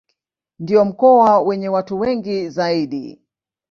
Ndio mkoa wenye watu wengi zaidi.